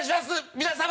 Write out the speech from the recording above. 皆様！」